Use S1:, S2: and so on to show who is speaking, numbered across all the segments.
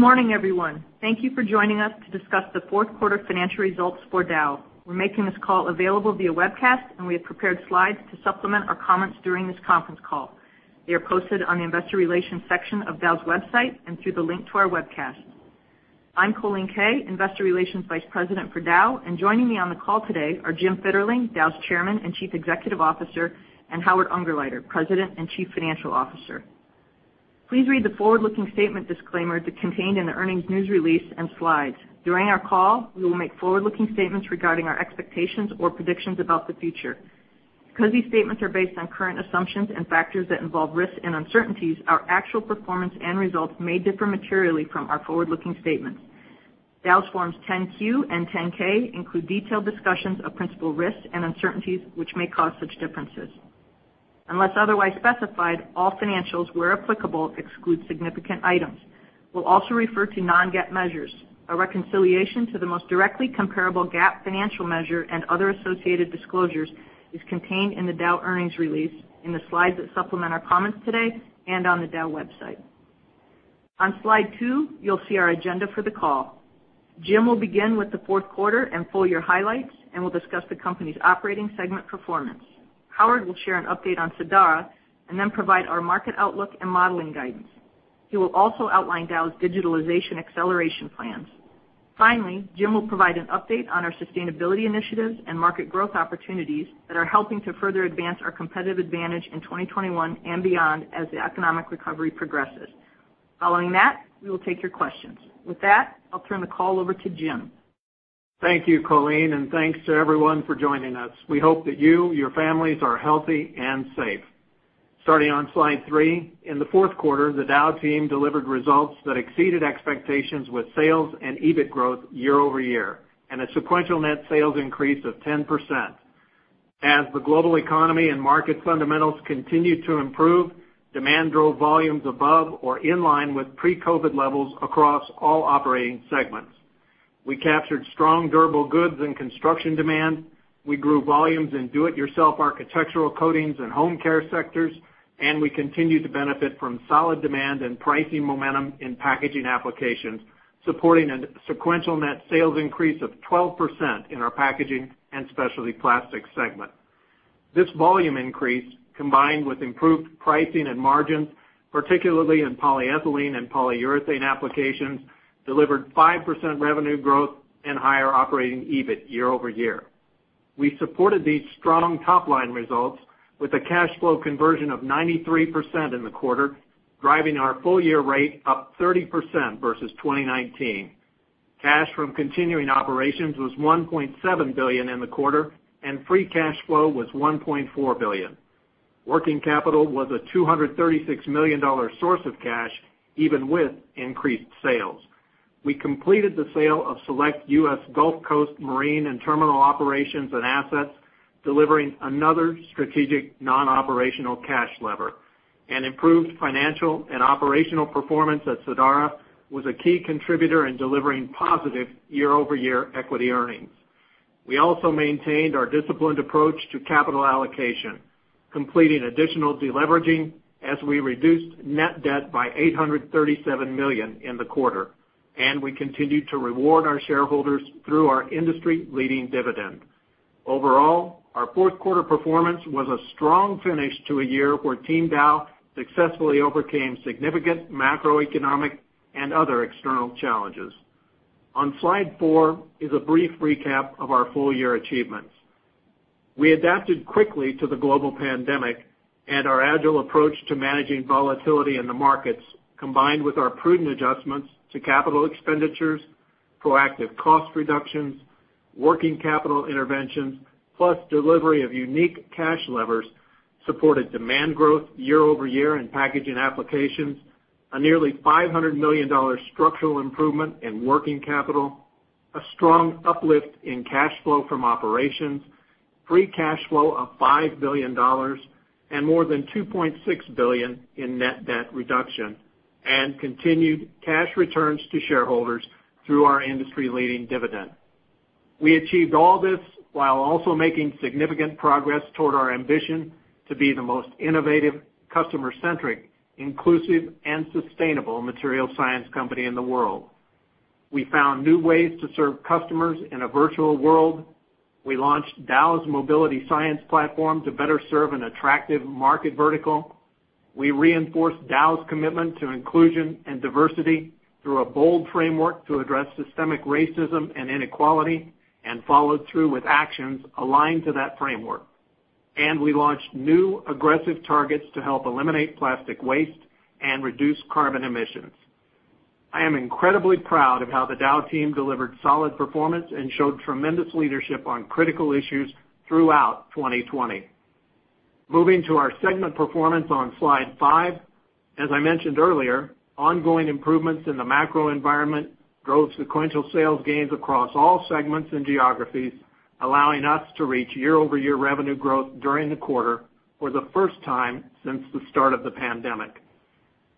S1: Good morning, everyone. Thank you for joining us to discuss the fourth quarter financial results for Dow. We're making this call available via webcast, and we have prepared slides to supplement our comments during this conference call. They are posted on the Investor Relations section of Dow's website and through the link to our webcast. I'm Colleen Kay, Vice President of Investor Relations for Dow, and joining me on the call today are Jim Fitterling, Dow's Chairman and Chief Executive Officer, and Howard Ungerleider, President and Chief Financial Officer. Please read the forward-looking statement disclaimer that's contained in the earnings news release and slides. During our call, we will make forward-looking statements regarding our expectations or predictions about the future. Because these statements are based on current assumptions and factors that involve risks and uncertainties, our actual performance and results may differ materially from our forward-looking statements. Dow's Forms 10-Q and 10-K include detailed discussions of principal risks and uncertainties, which may cause such differences. Unless otherwise specified, all financials, where applicable, exclude significant items. We'll also refer to non-GAAP measures. A reconciliation to the most directly comparable GAAP financial measure and other associated disclosures is contained in the Dow earnings release, in the slides that supplement our comments today, and on the Dow website. On Slide two, you'll see our agenda for the call. Jim will begin with the fourth quarter and full year highlights and will discuss the company's operating segment performance. Howard will share an update on Sadara and then provide our market outlook and modeling guidance. He will also outline Dow's digitalization acceleration plans. Finally, Jim will provide an update on our sustainability initiatives and market growth opportunities that are helping to further advance our competitive advantage in 2021 and beyond as the economic recovery progresses. Following that, we will take your questions. With that, I'll turn the call over to Jim.
S2: Thank you, Colleen. Thanks to everyone for joining us. We hope that you, your families, are healthy and safe. Starting on Slide three, in the fourth quarter, the Dow team delivered results that exceeded expectations with sales and EBIT growth year-over-year, and a sequential net sales increase of 10%. As the global economy and market fundamentals continued to improve, demand drove volumes above or in line with pre-COVID levels across all operating segments. We captured strong durable goods and construction demand. We grew volumes in do it yourself architectural coatings and home care sectors, and we continued to benefit from solid demand and pricing momentum in packaging applications, supporting a sequential net sales increase of 12% in our Packaging & Specialty Plastics segment. This volume increase, combined with improved pricing and margins, particularly in polyethylene and polyurethane applications, delivered 5% revenue growth and higher operating EBIT year-over-year. We supported these strong top-line results with a cash flow conversion of 93% in the quarter, driving our full-year rate up 30% versus 2019. Cash from continuing operations was $1.7 billion in the quarter, and free cash flow was $1.4 billion. Working capital was a $236 million source of cash, even with increased sales. We completed the sale of select U.S. Gulf Coast marine and terminal operations and assets, delivering another strategic non-operational cash lever. An improved financial and operational performance at Sadara was a key contributor in delivering positive year-over-year equity earnings. We also maintained our disciplined approach to capital allocation, completing additional deleveraging as we reduced net debt by $837 million in the quarter, and we continued to reward our shareholders through our industry-leading dividend. Overall, our fourth quarter performance was a strong finish to a year where Team Dow successfully overcame significant macroeconomic and other external challenges. On Slide four is a brief recap of our full-year achievements. We adapted quickly to the global pandemic, and our agile approach to managing volatility in the markets, combined with our prudent adjustments to capital expenditures, proactive cost reductions, working capital interventions, plus delivery of unique cash levers, supported demand growth year-over-year in packaging applications, a nearly $500 million structural improvement in working capital, a strong uplift in cash flow from operations, free cash flow of $5 billion, and more than $2.6 billion in net debt reduction, and continued cash returns to shareholders through our industry-leading dividend. We achieved all this while also making significant progress toward our ambition to be the most innovative, customer-centric, inclusive, and sustainable material science company in the world. We found new ways to serve customers in a virtual world. We launched Dow's Mobility Science Platform to better serve an attractive market vertical. We reinforced Dow's commitment to inclusion and diversity through a bold framework to address systemic racism and inequality, and followed through with actions aligned to that framework. We launched new, aggressive targets to help eliminate plastic waste and reduce carbon emissions. I am incredibly proud of how the Dow team delivered solid performance and showed tremendous leadership on critical issues throughout 2020. Moving to our segment performance on slide five. As I mentioned earlier, ongoing improvements in the macro environment drove sequential sales gains across all segments and geographies, allowing us to reach year-over-year revenue growth during the quarter for the first time since the start of the pandemic.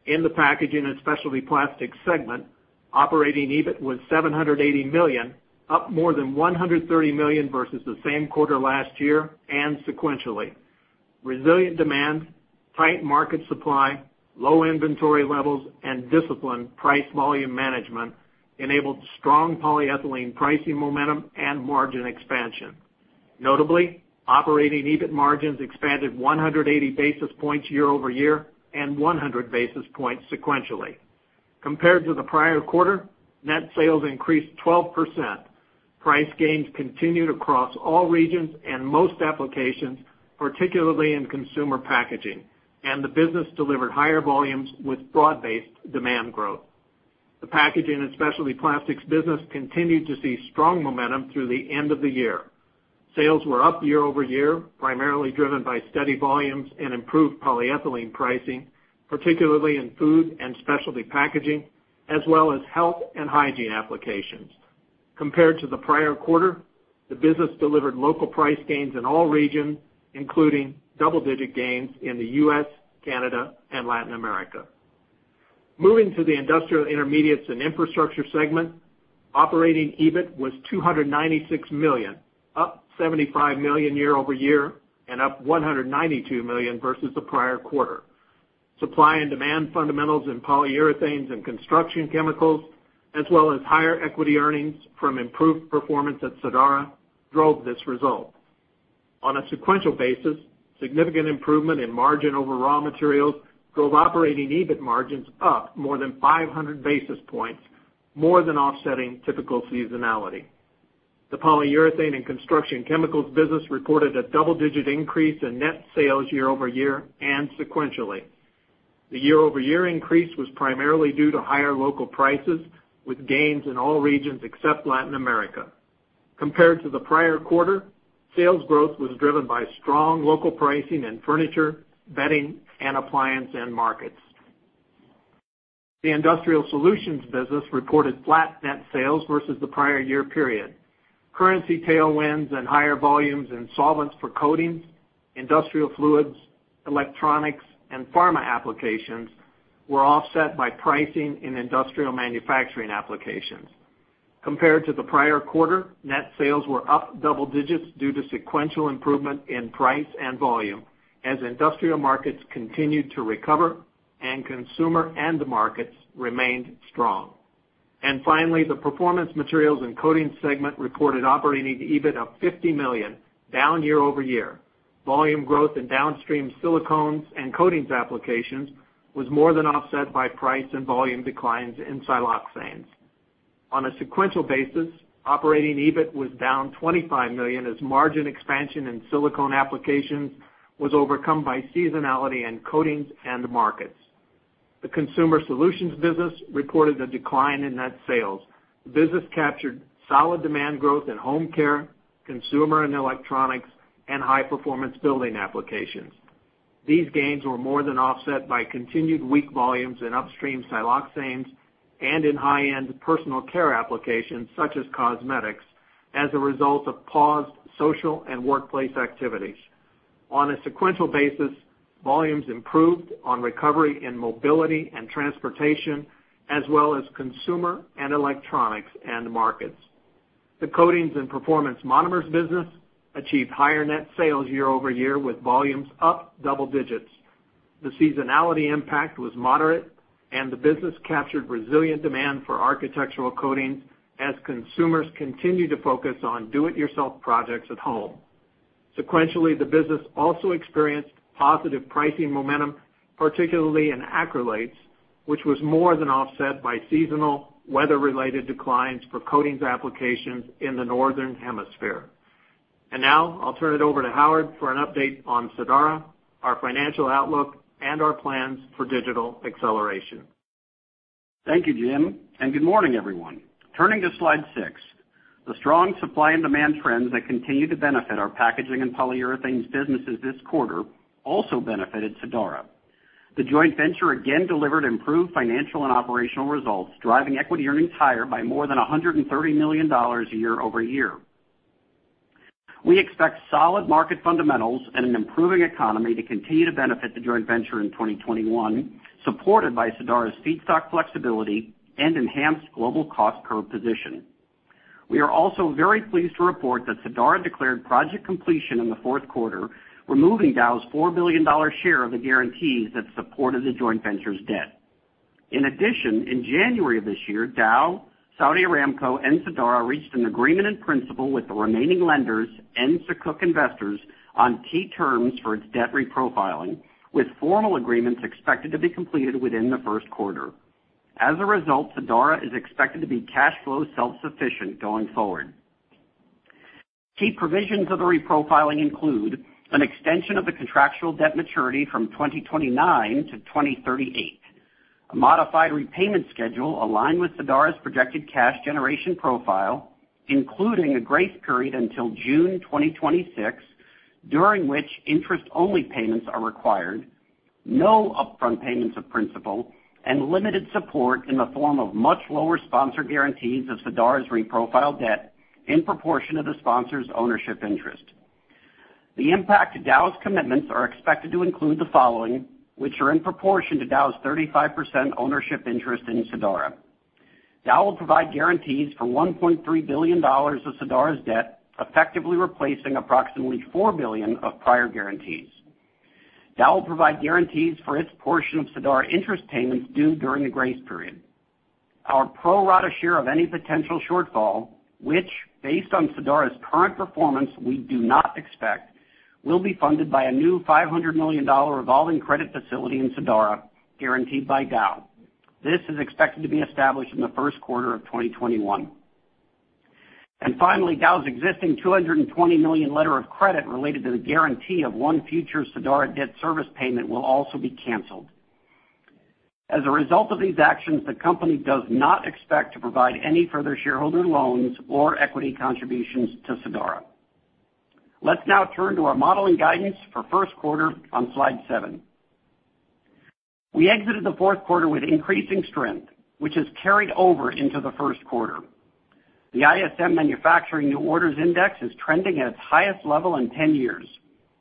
S2: In the Packaging & Specialty Plastics segment, operating EBIT was $780 million, up more than $130 million versus the same quarter last year and sequentially. Resilient demand, tight market supply, low inventory levels, and disciplined price volume management enabled strong polyethylene pricing momentum and margin expansion. Notably, operating EBIT margins expanded 180 basis points year-over-year and 100 basis points sequentially. Compared to the prior quarter, net sales increased 12%. Price gains continued across all regions and most applications, particularly in consumer packaging, and the business delivered higher volumes with broad-based demand growth. The Packaging & Specialty Plastics business continued to see strong momentum through the end of the year. Sales were up year-over-year, primarily driven by steady volumes and improved polyethylene pricing, particularly in food and specialty packaging, as well as health and hygiene applications. Compared to the prior quarter, the business delivered local price gains in all regions, including double-digit gains in the U.S., Canada, and Latin America. Moving to the Industrial Intermediates & Infrastructure segment, operating EBIT was $296 million, up $75 million year-over-year and up $192 million versus the prior quarter. Supply and demand fundamentals in Polyurethanes and Construction Chemicals, as well as higher equity earnings from improved performance at Sadara, drove this result. On a sequential basis, significant improvement in margin over raw materials drove operating EBIT margins up more than 500 basis points, more than offsetting typical seasonality. The Polyurethanes and Construction Chemicals business reported a double-digit increase in net sales year-over-year and sequentially. The year-over-year increase was primarily due to higher local prices, with gains in all regions except Latin America. Compared to the prior quarter, sales growth was driven by strong local pricing in furniture, bedding, and appliance end markets. The Industrial Solutions Business reported flat net sales versus the prior year period. Currency tailwinds and higher volumes in solvents for coatings, industrial fluids, electronics, and pharma applications were offset by pricing in industrial manufacturing applications. Compared to the prior quarter, net sales were up double digits due to sequential improvement in price and volume as industrial markets continued to recover and consumer end markets remained strong. Finally, the Performance Materials and Coatings segment reported operating EBIT of $50 million, down year-over-year. Volume growth in downstream silicones and coatings applications was more than offset by price and volume declines in siloxanes. On a sequential basis, operating EBIT was down $25 million as margin expansion in silicone applications was overcome by seasonality in coatings end markets. The Consumer Solutions business reported a decline in net sales. The business captured solid demand growth in home care, consumer and electronics, and high-performance building applications. These gains were more than offset by continued weak volumes in upstream siloxanes and in high-end personal care applications, such as cosmetics, as a result of paused social and workplace activities. On a sequential basis, volumes improved on recovery in mobility and transportation, as well as consumer and electronics end markets. The Coatings and Performance Monomers business achieved higher net sales year-over-year, with volumes up double digits. The seasonality impact was moderate, the business captured resilient demand for architectural coatings as consumers continued to focus on do-it-yourself projects at home. Sequentially, the business also experienced positive pricing momentum, particularly in acrylates, which was more than offset by seasonal, weather-related declines for coatings applications in the Northern Hemisphere. Now I'll turn it over to Howard for an update on Sadara, our financial outlook, and our plans for digital acceleration.
S3: Thank you, Jim, and good morning, everyone. Turning to slide six, the strong supply and demand trends that continue to benefit our packaging and polyurethanes businesses this quarter also benefited Sadara. The joint venture again delivered improved financial and operational results, driving equity earnings higher by more than $130 million year-over-year. We expect solid market fundamentals and an improving economy to continue to benefit the joint venture in 2021, supported by Sadara's feedstock flexibility and enhanced global cost curve position. We are also very pleased to report that Sadara declared project completion in the fourth quarter, removing Dow's $4 billion share of the guarantees that supported the joint venture's debt. In addition, in January of this year, Dow, Saudi Aramco, and Sadara reached an agreement in principle with the remaining lenders and Sukuk investors on key terms for its debt reprofiling, with formal agreements expected to be completed within the first quarter. As a result, Sadara is expected to be cash flow self-sufficient going forward. Key provisions of the reprofiling include an extension of the contractual debt maturity from 2029-2038, a modified repayment schedule aligned with Sadara's projected cash generation profile, including a grace period until June 2026, during which interest-only payments are required, no upfront payments of principal, and limited support in the form of much lower sponsor guarantees of Sadara's reprofiled debt in proportion to the sponsor's ownership interest. The impact to Dow's commitments are expected to include the following, which are in proportion to Dow's 35% ownership interest in Sadara. Dow will provide guarantees for $1.3 billion of Sadara's debt, effectively replacing approximately $4 billion of prior guarantees. Dow will provide guarantees for its portion of Sadara interest payments due during the grace period. Our pro rata share of any potential shortfall, which based on Sadara's current performance we do not expect, will be funded by a new $500 million revolving credit facility in Sadara, guaranteed by Dow. This is expected to be established in the first quarter of 2021. Finally, Dow's existing $220 million letter of credit related to the guarantee of one future Sadara debt service payment will also be canceled. As a result of these actions, the company does not expect to provide any further shareholder loans or equity contributions to Sadara. Let's now turn to our modeling guidance for first quarter on slide seven. We exited the fourth quarter with increasing strength, which has carried over into the first quarter. The ISM Manufacturing New Orders Index is trending at its highest level in 10 years.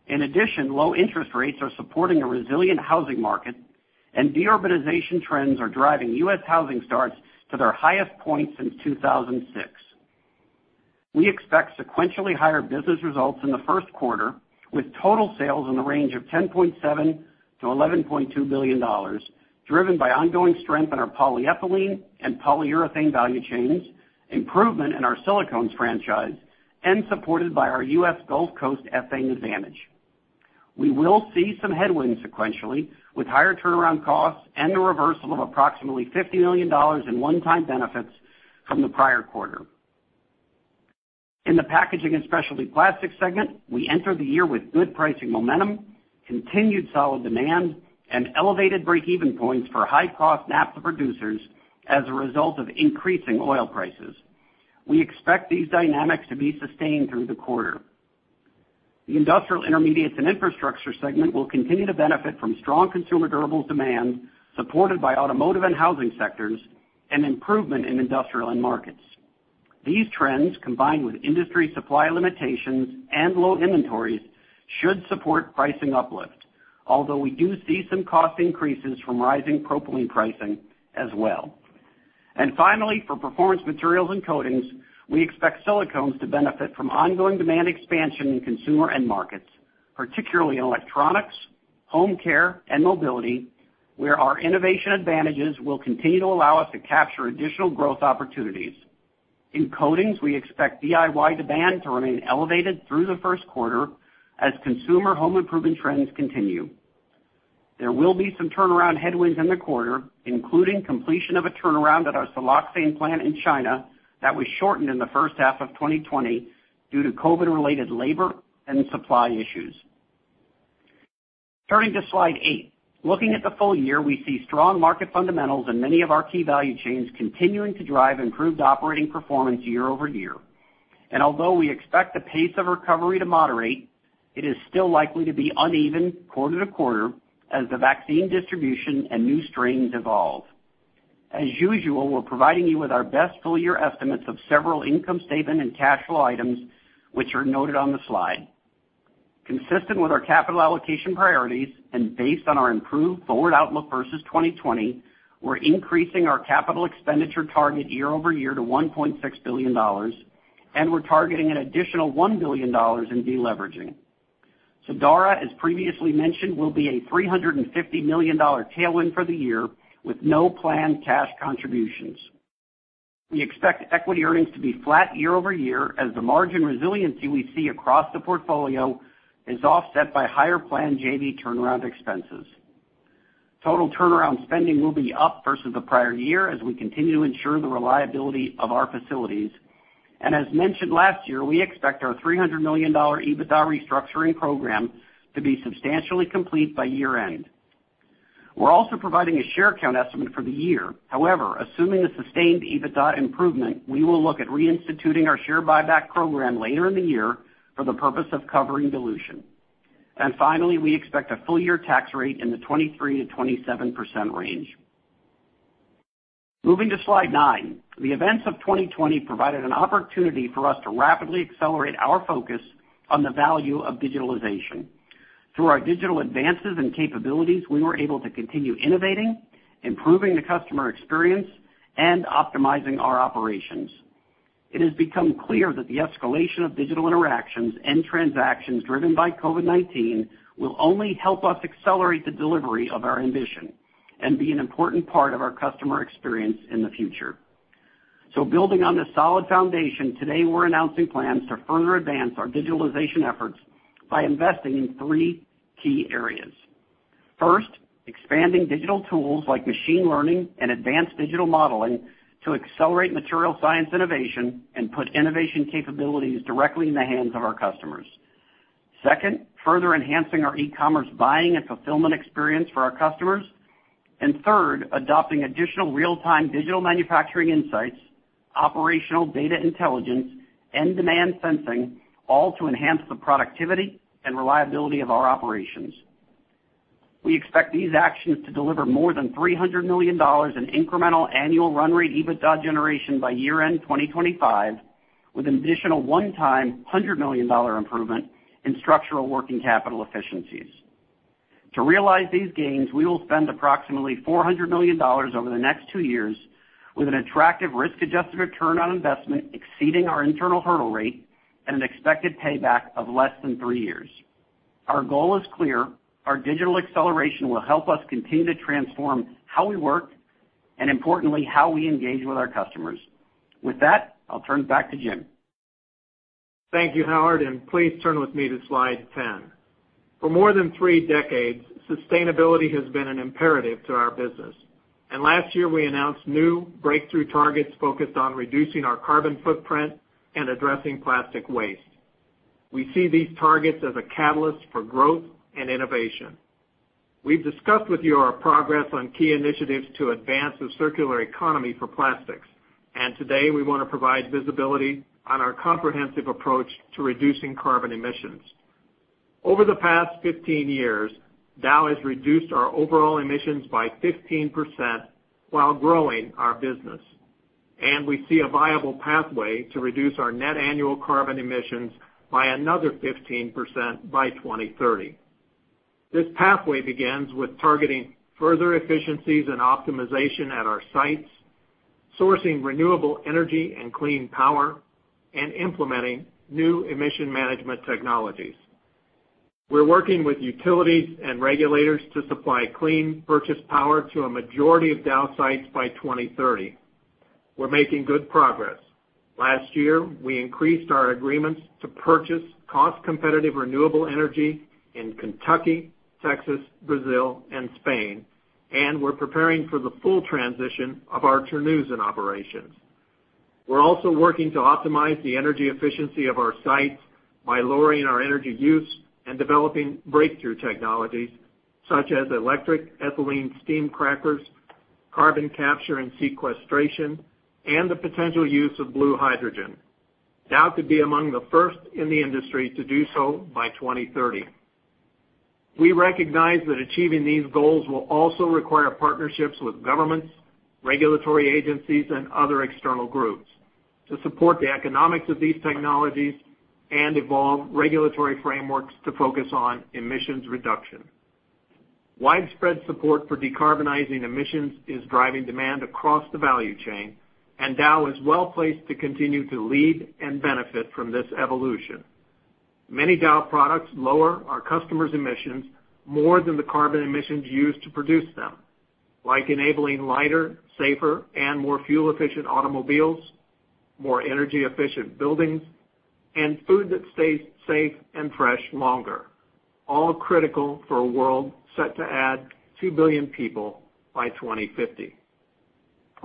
S3: In addition, low interest rates are supporting a resilient housing market, and de-urbanization trends are driving U.S. housing starts to their highest point since 2006. We expect sequentially higher business results in the first quarter, with total sales in the range of $10.7 billion-$11.2 billion, driven by ongoing strength in our polyethylene and polyurethane value chains, improvement in our silicones franchise, and supported by our U.S. Gulf Coast ethane advantage. We will see some headwinds sequentially, with higher turnaround costs and the reversal of approximately $50 million in one-time benefits from the prior quarter. In the Packaging & Specialty Plastics segment, we enter the year with good pricing momentum, continued solid demand, and elevated break-even points for high-cost naphtha producers as a result of increasing oil prices. We expect these dynamics to be sustained through the quarter. The Industrial Intermediates & Infrastructure segment will continue to benefit from strong consumer durables demand, supported by automotive and housing sectors, and improvement in industrial end markets. These trends, combined with industry supply limitations and low inventories, should support pricing uplift, although we do see some cost increases from rising propylene pricing as well. Finally, for Performance Materials and Coatings, we expect silicones to benefit from ongoing demand expansion in consumer end markets, particularly in electronics, home care, and mobility, where our innovation advantages will continue to allow us to capture additional growth opportunities. In coatings, we expect DIY demand to remain elevated through the first quarter as consumer home improvement trends continue. There will be some turnaround headwinds in the quarter, including completion of a turnaround at our siloxane plant in China that was shortened in the first half of 2020 due to COVID-related labor and supply issues. Turning to slide eight. Looking at the full year, we see strong market fundamentals in many of our key value chains continuing to drive improved operating performance year-over-year. Although we expect the pace of recovery to moderate, it is still likely to be uneven quarter-to-quarter as the vaccine distribution and new strains evolve. As usual, we're providing you with our best full year estimates of several income statement and cash flow items, which are noted on the slide. Consistent with our capital allocation priorities and based on our improved forward outlook versus 2020, we're increasing our capital expenditure target year-over-year to $1.6 billion, and we're targeting an additional $1 billion in deleveraging. Sadara, as previously mentioned, will be a $350 million tailwind for the year with no planned cash contributions. We expect equity earnings to be flat year-over-year as the margin resiliency we see across the portfolio is offset by higher planned JV turnaround expenses. Total turnaround spending will be up versus the prior year as we continue to ensure the reliability of our facilities. As mentioned last year, we expect our $300 million EBITDA restructuring program to be substantially complete by year-end. We're also providing a share count estimate for the year. However, assuming a sustained EBITDA improvement, we will look at reinstituting our share buyback program later in the year for the purpose of covering dilution. Finally, we expect a full year tax rate in the 23%-27% range. Moving to slide nine. The events of 2020 provided an opportunity for us to rapidly accelerate our focus on the value of digitalization. Through our digital advances and capabilities, we were able to continue innovating, improving the customer experience, and optimizing our operations. It has become clear that the escalation of digital interactions and transactions driven by COVID-19 will only help us accelerate the delivery of our ambition and be an important part of our customer experience in the future. Building on this solid foundation, today we're announcing plans to further advance our digitalization efforts by investing in three key areas. First, expanding digital tools like machine learning and advanced digital modeling to accelerate material science innovation and put innovation capabilities directly in the hands of our customers. Second, further enhancing our e-commerce buying and fulfillment experience for our customers. Third, adopting additional real-time digital manufacturing insights, operational data intelligence, and demand sensing, all to enhance the productivity and reliability of our operations. We expect these actions to deliver more than $300 million in incremental annual run rate EBITDA generation by year-end 2025, with an additional one-time $100 million improvement in structural working capital efficiencies. To realize these gains, we will spend approximately $400 million over the next two years with an attractive risk-adjusted return on investment exceeding our internal hurdle rate and an expected payback of less than three years. Our goal is clear. Our digital acceleration will help us continue to transform how we work, and importantly, how we engage with our customers. With that, I'll turn it back to Jim.
S2: Thank you, Howard, please turn with me to slide 10. For more than three decades, sustainability has been an imperative to our business. Last year, we announced new breakthrough targets focused on reducing our carbon footprint and addressing plastic waste. We see these targets as a catalyst for growth and innovation. We've discussed with you our progress on key initiatives to advance the circular economy for plastics. Today, we want to provide visibility on our comprehensive approach to reducing carbon emissions. Over the past 15 years, Dow has reduced our overall emissions by 15% while growing our business. We see a viable pathway to reduce our net annual carbon emissions by another 15% by 2030. This pathway begins with targeting further efficiencies and optimization at our sites, sourcing renewable energy and clean power, and implementing new emission management technologies. We're working with utilities and regulators to supply clean purchased power to a majority of Dow sites by 2030. We're making good progress. Last year, we increased our agreements to purchase cost-competitive renewable energy in Kentucky, Texas, Brazil, and Spain, and we're preparing for the full transition of our Terneuzen operations. We're also working to optimize the energy efficiency of our sites by lowering our energy use and developing breakthrough technologies, such as electric ethylene steam crackers, carbon capture and sequestration, and the potential use of blue hydrogen. Dow could be among the first in the industry to do so by 2030. We recognize that achieving these goals will also require partnerships with governments, regulatory agencies, and other external groups to support the economics of these technologies and evolve regulatory frameworks to focus on emissions reduction. Widespread support for decarbonizing emissions is driving demand across the value chain, and Dow is well placed to continue to lead and benefit from this evolution. Many Dow products lower our customers' emissions more than the carbon emissions used to produce them, like enabling lighter, safer, and more fuel-efficient automobiles, more energy-efficient buildings, and food that stays safe and fresh longer. All critical for a world set to add 2 billion people by 2050.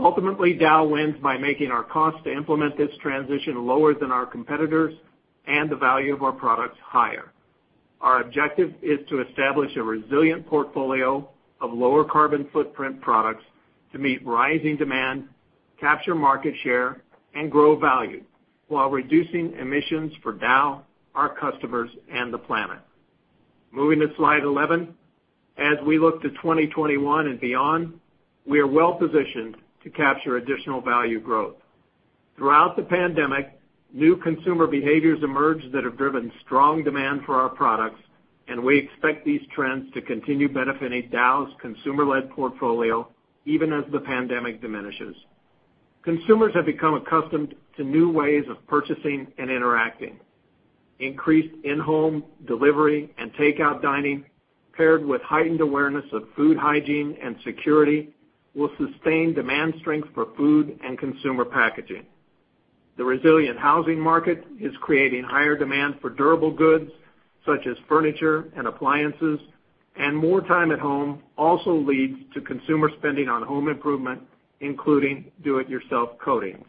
S2: Ultimately, Dow wins by making our cost to implement this transition lower than our competitors and the value of our products higher. Our objective is to establish a resilient portfolio of lower carbon footprint products to meet rising demand, capture market share, and grow value while reducing emissions for Dow, our customers, and the planet. Moving to slide 11. As we look to 2021 and beyond, we are well-positioned to capture additional value growth. Throughout the pandemic, new consumer behaviors emerged that have driven strong demand for our products, and we expect these trends to continue benefiting Dow's consumer-led portfolio even as the pandemic diminishes. Consumers have become accustomed to new ways of purchasing and interacting. Increased in-home delivery and takeout dining, paired with heightened awareness of food hygiene and security, will sustain demand strength for food and consumer packaging. The resilient housing market is creating higher demand for durable goods, such as furniture and appliances. More time at home also leads to consumer spending on home improvement, including do it yourself coatings.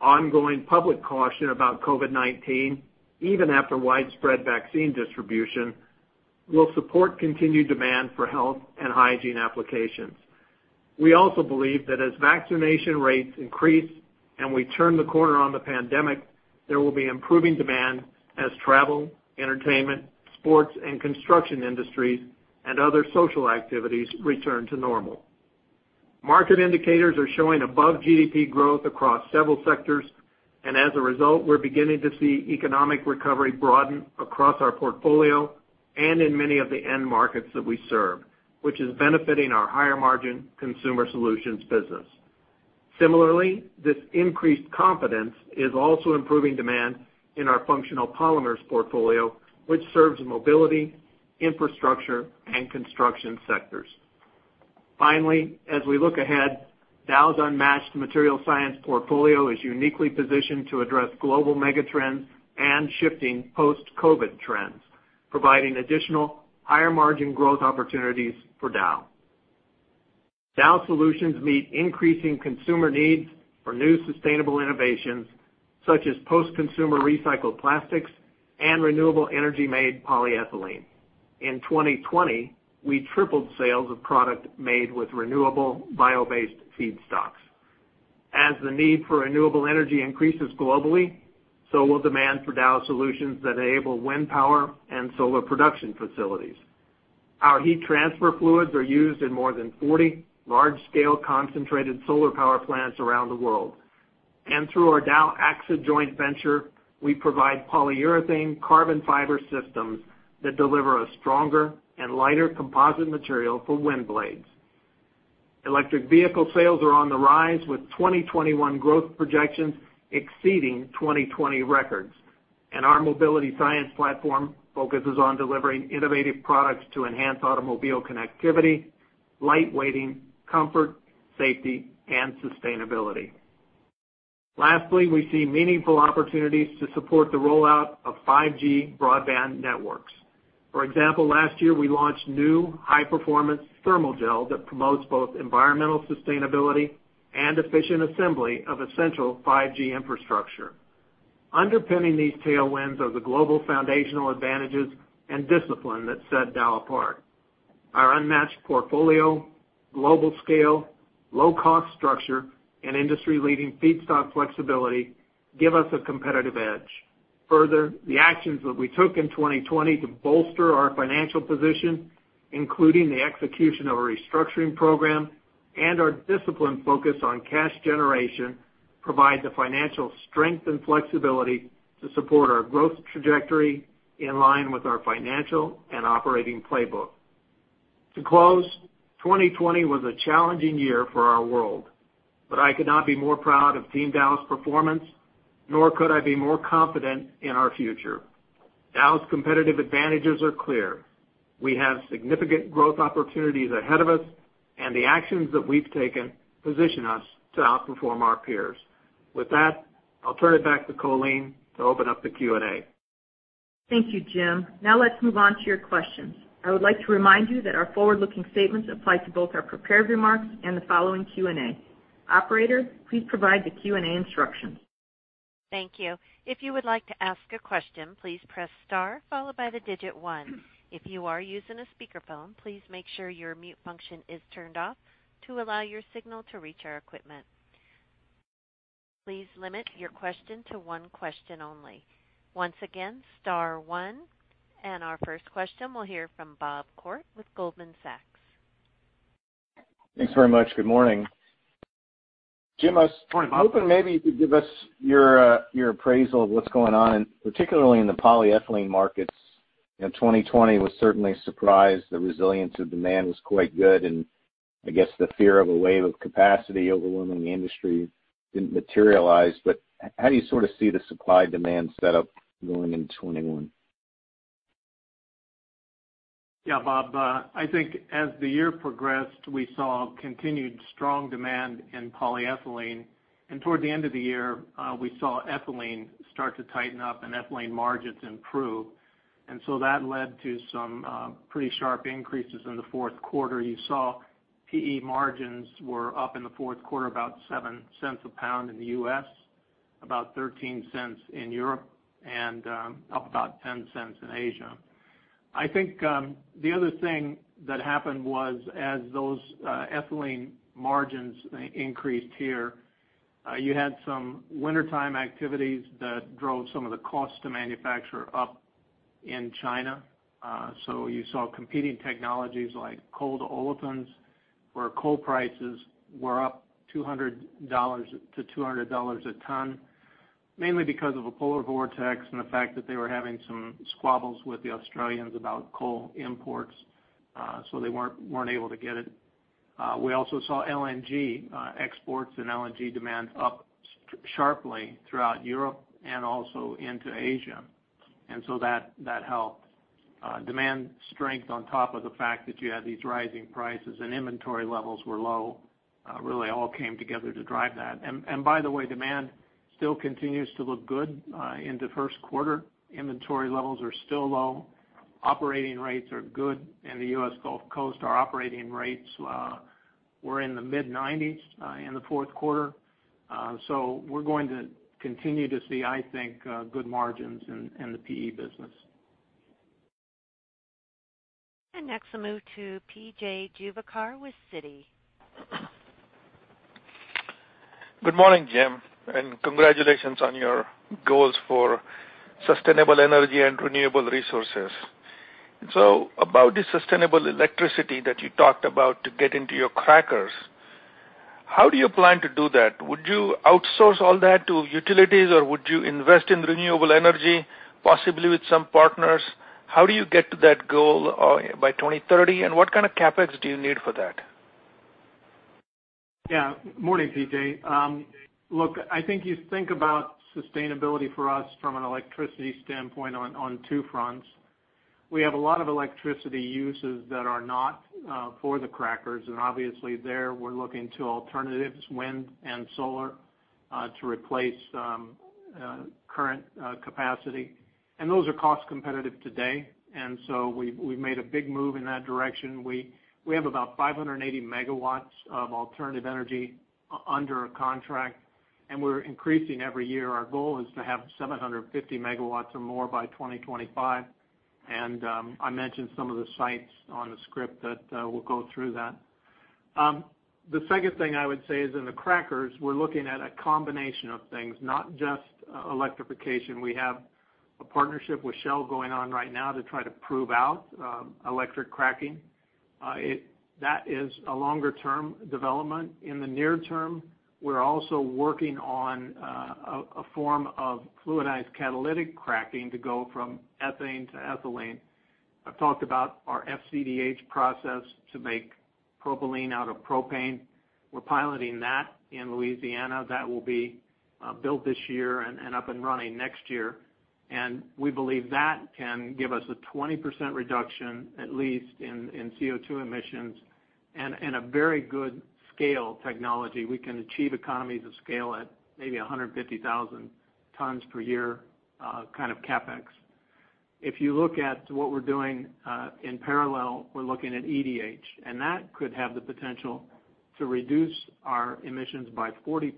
S2: Ongoing public caution about COVID-19, even after widespread vaccine distribution, will support continued demand for health and hygiene applications. We also believe that as vaccination rates increase and we turn the corner on the pandemic, there will be improving demand as travel, entertainment, sports, and construction industries, and other social activities return to normal. Market indicators are showing above GDP growth across several sectors, and as a result, we're beginning to see economic recovery broaden across our portfolio and in many of the end markets that we serve, which is benefiting our higher margin Consumer Solutions business. Similarly, this increased confidence is also improving demand in our functional polymers portfolio, which serves mobility, infrastructure, and construction sectors. Finally, as we look ahead, Dow's unmatched material science portfolio is uniquely positioned to address global mega trends and shifting post-COVID trends, providing additional higher margin growth opportunities for Dow. Dow solutions meet increasing consumer needs for new sustainable innovations, such as post-consumer recycled plastics and renewable energy made polyethylene. In 2020, we tripled sales of product made with renewable bio-based feedstocks. As the need for renewable energy increases globally, so will demand for Dow solutions that enable wind power and solar production facilities. Our heat transfer fluids are used in more than 40 large-scale concentrated solar power plants around the world. Through our DowAksa joint venture, we provide polyurethane carbon fiber systems that deliver a stronger and lighter composite material for wind blades. Electric vehicle sales are on the rise with 2021 growth projections exceeding 2020 records. Our Mobility Science Platform focuses on delivering innovative products to enhance automobile connectivity, lightweighting, comfort, safety, and sustainability. Lastly, we see meaningful opportunities to support the rollout of 5G broadband networks. For example, last year we launched new high-performance thermal gel that promotes both environmental sustainability and efficient assembly of essential 5G infrastructure. Underpinning these tailwinds are the global foundational advantages and discipline that set Dow apart. Our unmatched portfolio, global scale, low cost structure, and industry-leading feedstock flexibility give us a competitive edge. The actions that we took in 2020 to bolster our financial position, including the execution of a restructuring program and our disciplined focus on cash generation, provide the financial strength and flexibility to support our growth trajectory in line with our financial and operating playbook. To close, 2020 was a challenging year for our world, but I could not be more proud of Team Dow's performance, nor could I be more confident in our future. Dow's competitive advantages are clear. We have significant growth opportunities ahead of us, the actions that we've taken position us to outperform our peers. With that, I'll turn it back to Colleen to open up the Q&A.
S1: Thank you, Jim. Now let's move on to your questions. I would like to remind you that our forward-looking statements apply to both our prepared remarks and the following Q&A. Operator, please provide the Q&A instructions.
S4: Thank you. If you would like to ask a question press star followed by digit one if you are using a speaker phone please make sure your mute function is turned up to allow your signal to reach our equipment, please limit your question to one question only, once again star one. Our first question, we'll hear from Bob Koort with Goldman Sachs.
S5: Thanks very much. Good morning.
S2: Morning, Bob.
S5: Jim, I was hoping maybe you could give us your appraisal of what's going on, particularly in the polyethylene markets. 2020 was certainly a surprise. The resilience of demand was quite good, and I guess the fear of a wave of capacity overwhelming the industry didn't materialize. How do you sort of see the supply-demand setup going into 2021?
S2: Yeah, Bob. I think as the year progressed, we saw continued strong demand in polyethylene, and toward the end of the year, we saw ethylene start to tighten up and ethylene margins improve. That led to some pretty sharp increases in the fourth quarter. You saw PE margins were up in the fourth quarter about $0.07 a pound in the U.S., about $0.13 in Europe, and up about $0.10 in Asia. I think the other thing that happened was as those ethylene margins increased here, you had some wintertime activities that drove some of the costs to manufacture up in China. You saw competing technologies like coal-to-olefins, where coal prices were up $200-$200 a ton, mainly because of a polar vortex and the fact that they were having some squabbles with the Australians about coal imports, so they weren't able to get it. We also saw LNG exports and LNG demand up sharply throughout Europe and also into Asia, that helped. Demand strength on top of the fact that you had these rising prices and inventory levels were low really all came together to drive that. By the way, demand still continues to look good into first quarter. Inventory levels are still low. Operating rates are good in the U.S. Gulf Coast. Our operating rates were in the mid-90s in the fourth quarter. We're going to continue to see, I think, good margins in the PE business.
S4: Next, we'll move to P.J. Juvekar with Citi.
S6: Good morning, Jim, and congratulations on your goals for sustainable energy and renewable resources. About the sustainable electricity that you talked about to get into your crackers, how do you plan to do that? Would you outsource all that to utilities, or would you invest in renewable energy, possibly with some partners? How do you get to that goal by 2030, and what kind of CapEx do you need for that?
S2: Yeah. Morning, P.J. Look, I think you think about sustainability for us from an electricity standpoint on two fronts. We have a lot of electricity uses that are not for the crackers, and obviously there we're looking to alternatives, wind and solar, to replace current capacity. Those are cost competitive today, and so we've made a big move in that direction. We have about 580 megawatts of alternative energy under a contract, and we're increasing every year. Our goal is to have 750 megawatts or more by 2025. I mentioned some of the sites on the script that will go through that. The second thing I would say is in the crackers, we're looking at a combination of things, not just electrification. We have a partnership with Shell going on right now to try to prove out electric cracking. That is a longer-term development. In the near term, we're also working on a form of fluid catalytic cracking to go from ethane to ethylene. I've talked about our FCDH process to make propylene out of propane. We're piloting that in Louisiana. That will be built this year and up and running next year. We believe that can give us a 20% reduction, at least, in CO2 emissions and a very good scale technology. We can achieve economies of scale at maybe 150,000 tons per year kind of CapEx. If you look at what we're doing in parallel, we're looking at EDH, and that could have the potential to reduce our emissions by 40%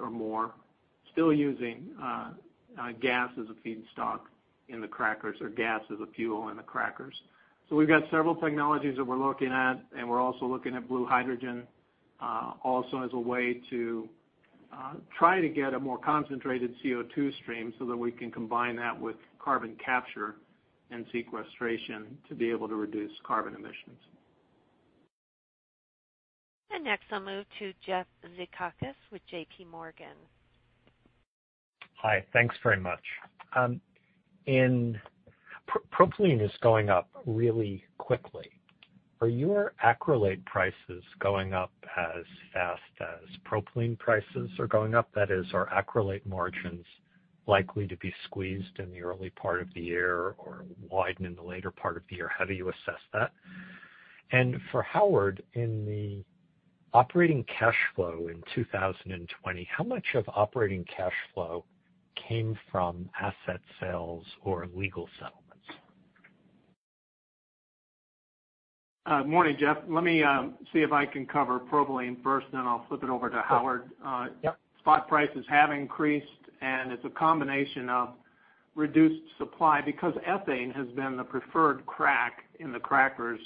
S2: or more, still using gas as a feedstock in the crackers or gas as a fuel in the crackers. We've got several technologies that we're looking at, and we're also looking at blue hydrogen also as a way to try to get a more concentrated CO2 stream so that we can combine that with carbon capture and sequestration to be able to reduce carbon emissions.
S4: Next, I'll move to Jeff Zekauskas with JPMorgan.
S7: Hi, thanks very much. Propylene is going up really quickly. Are your acrylate prices going up as fast as propylene prices are going up? That is, are acrylate margins likely to be squeezed in the early part of the year or widen in the later part of the year? How do you assess that? For Howard, in the operating cash flow in 2020, how much of operating cash flow came from asset sales or legal settlements?
S2: Morning, Jeff. Let me see if I can cover propylene first, then I'll flip it over to Howard.
S7: Sure. Yep. Spot prices have increased, and it's a combination of reduced supply because ethane has been the preferred crack in the crackers,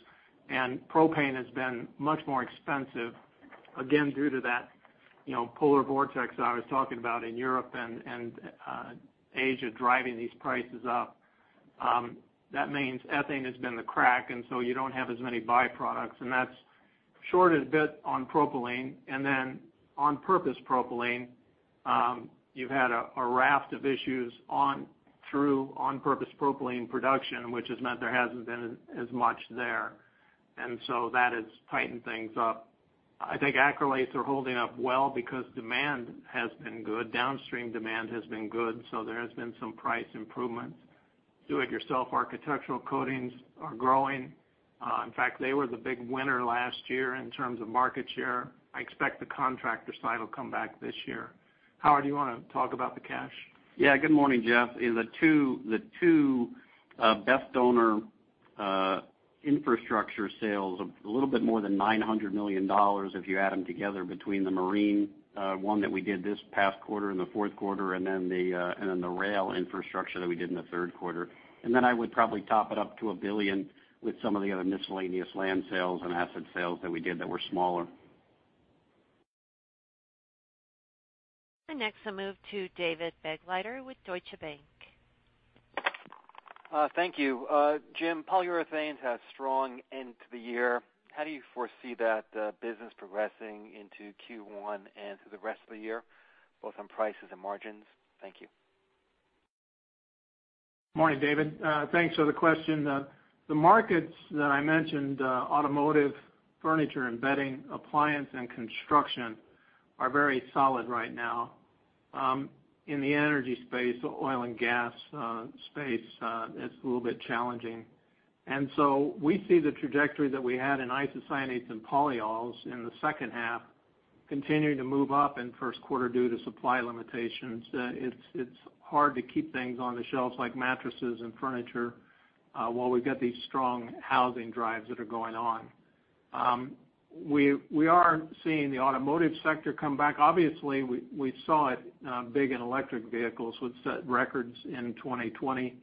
S7: and propane has been much more expensive, again, due to that polar vortex I was talking about in Europe and Asia driving these prices up. That means ethane has been the crack, and so you don't have as many byproducts, and that's short a bit on propylene. On-purpose propylene, you've had a raft of issues through on-purpose propylene production, which has meant there hasn't been as much there. That has tightened things up. I think acrylates are holding up well because demand has been good. Downstream demand has been good, so there has been some price improvements. Do it yourself architectural coatings are growing. In fact, they were the big winner last year in terms of market share.
S2: I expect the contractor side will come back this year. Howard, do you want to talk about the cash?
S3: Yeah. Good morning, Jeff. The two best-owner infrastructure sales of a little bit more than $900 million if you add them together between the marine one that we did this past quarter in the fourth quarter and then the rail infrastructure that we did in the third quarter. I would probably top it up to $1 billion with some of the other miscellaneous land sales and asset sales that we did that were smaller.
S4: Next, I'll move to David Begleiter with Deutsche Bank.
S8: Thank you. Jim, polyurethanes had a strong end to the year. How do you foresee that business progressing into Q1 and through the rest of the year, both on prices and margins? Thank you.
S2: Morning, David. Thanks for the question. The markets that I mentioned, automotive, furniture and bedding, appliance, and construction are very solid right now. In the energy space, the oil and gas space, it's a little bit challenging. We see the trajectory that we had in isocyanates and polyols in the second half continuing to move up in first quarter due to supply limitations. It's hard to keep things on the shelves like mattresses and furniture while we've got these strong housing drives that are going on. We are seeing the automotive sector come back. Obviously, we saw it big in electric vehicles, which set records in 2020,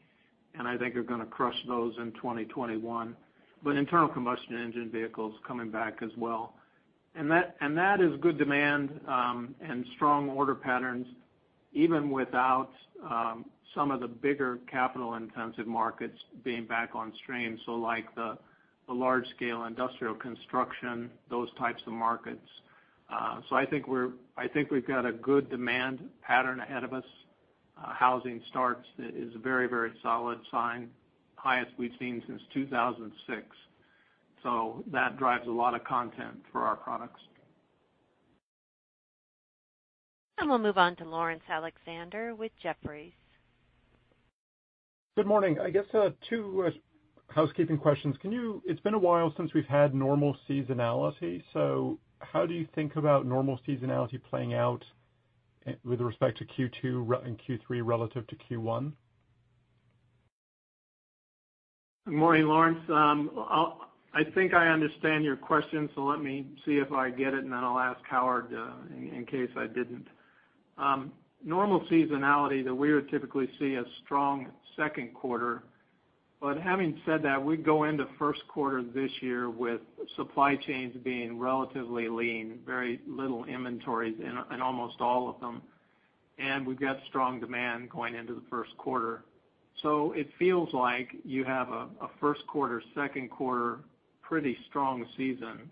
S2: and I think are going to crush those in 2021. Internal combustion engine vehicles coming back as well. That is good demand and strong order patterns, even without some of the bigger capital-intensive markets being back on stream. Like the large scale industrial construction, those types of markets. I think we've got a good demand pattern ahead of us. Housing starts is a very solid sign, highest we've seen since 2006. That drives a lot of content for our products.
S4: We'll move on to Laurence Alexander with Jefferies.
S9: Good morning. I guess two housekeeping questions. It's been a while since we've had normal seasonality. How do you think about normal seasonality playing out with respect to Q2 and Q3 relative to Q1?
S2: Morning, Laurence. I think I understand your question, so let me see if I get it, and then I'll ask Howard in case I didn't. Normal seasonality that we would typically see a strong second quarter. Having said that, we go into first quarter this year with supply chains being relatively lean, very little inventories in almost all of them. We've got strong demand going into the first quarter. It feels like you have a first quarter, second quarter, pretty strong season,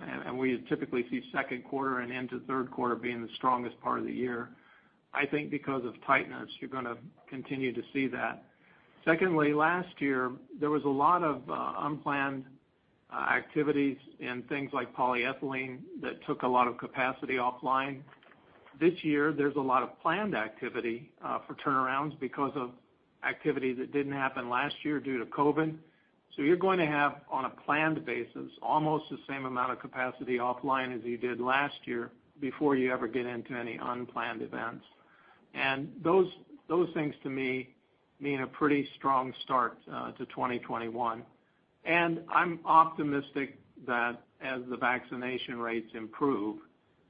S2: and we typically see second quarter and into third quarter being the strongest part of the year. I think because of tightness, you're going to continue to see that. Secondly, last year, there was a lot of unplanned activities in things like polyethylene that took a lot of capacity offline. This year, there's a lot of planned activity for turnarounds because of activity that didn't happen last year due to COVID. You're going to have, on a planned basis, almost the same amount of capacity offline as you did last year before you ever get into any unplanned events. Those things, to me, mean a pretty strong start to 2021. I'm optimistic that as the vaccination rates improve,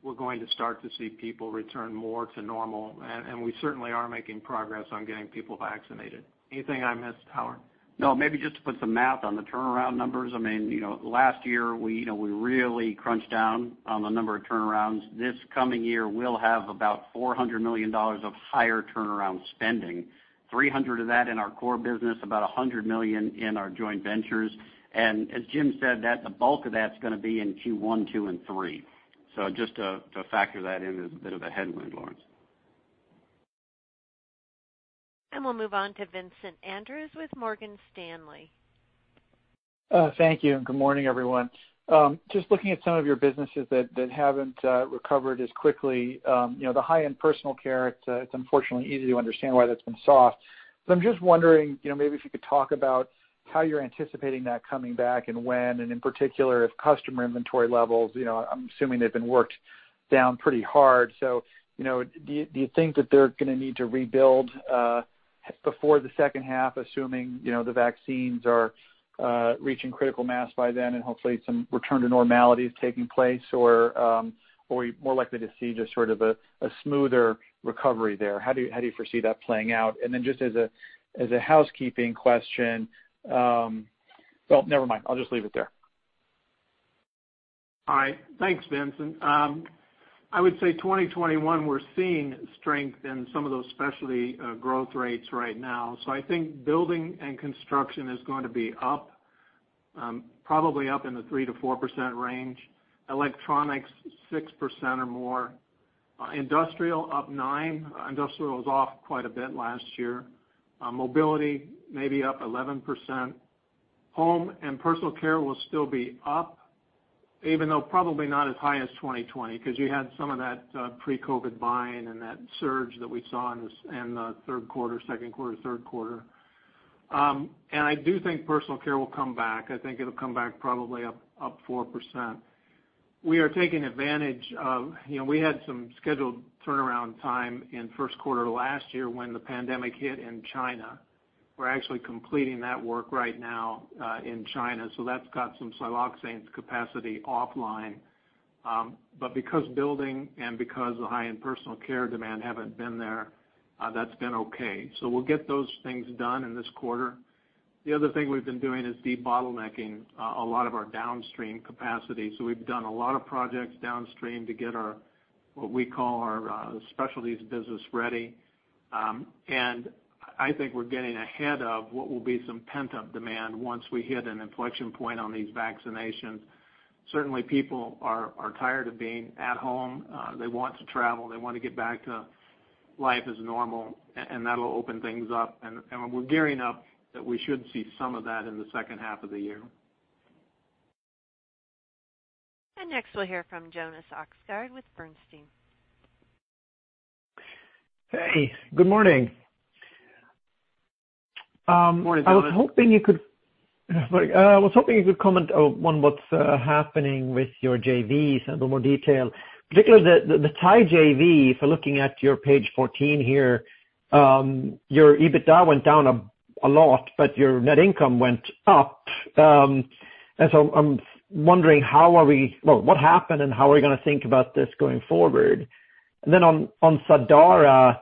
S2: we're going to start to see people return more to normal, and we certainly are making progress on getting people vaccinated. Anything I missed, Howard?
S3: No, maybe just to put some math on the turnaround numbers. Last year, we really crunched down on the number of turnarounds. This coming year, we'll have about $400 million of higher turnaround spending, $300 million of that in our core business, about $100 million in our joint ventures. As Jim said, the bulk of that's going to be in Q1, two, and three. Just to factor that in as a bit of a headwind, Laurence.
S4: We'll move on to Vincent Andrews with Morgan Stanley.
S10: Thank you. Good morning, everyone. Just looking at some of your businesses that haven't recovered as quickly. The high-end personal care, it's unfortunately easy to understand why that's been soft. I'm just wondering if you could talk about how you're anticipating that coming back and when, and in particular, if customer inventory levels, I'm assuming they've been worked down pretty hard. Do you think that they're going to need to rebuild before the second half, assuming the vaccines are reaching critical mass by then and hopefully some return to normality is taking place, or are we more likely to see just sort of a smoother recovery there? How do you foresee that playing out? Well, never mind. I'll just leave it there.
S2: All right. Thanks, Vincent. I would say 2021, we're seeing strength in some of those specialty growth rates right now. I think building and construction is going to be up, probably up in the 3%-4% range. Electronics, 6% or more. Industrial up nine. Industrial was off quite a bit last year. Mobility, maybe up 11%. Home and personal care will still be up, even though probably not as high as 2020, because you had some of that pre-COVID buying and that surge that we saw in the second quarter, third quarter. I do think personal care will come back. I think it'll come back probably up 4%. We had some scheduled turnaround time in first quarter last year when the pandemic hit in China. We're actually completing that work right now in China, so that's got some siloxane capacity offline. Because building and because the high-end personal care demand haven't been there, that's been okay. We'll get those things done in this quarter. The other thing we've been doing is debottlenecking a lot of our downstream capacity. We've done a lot of projects downstream to get what we call our specialties business ready. I think we're getting ahead of what will be some pent-up demand once we hit an inflection point on these vaccinations. Certainly, people are tired of being at home. They want to travel. They want to get back to life as normal, and that'll open things up. We're gearing up that we should see some of that in the second half of the year.
S4: Next we'll hear from Jonas Oxgaard with Bernstein.
S11: Hey, good morning.
S2: Morning, Jonas.
S11: I was hoping you could comment on what's happening with your JVs in a little more detail, particularly the Thai JV, if we're looking at your page 14 here. Your EBITDA went down a lot, but your net income went up. I'm wondering what happened, and how are we going to think about this going forward? On Sadara,